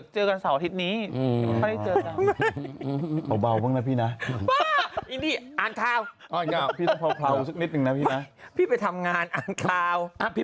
เจอกันเดือนแผงที่สองปีนี้